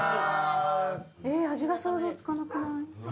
え味が想像つかなくない？